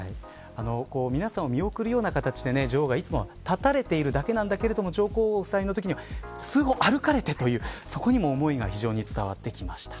皆さん、お見送りのような形で女王がいつも立たれているだけなんだけれども上皇ご夫妻のときには数歩歩かれてというところでそこにも思いが非常に伝わってきました。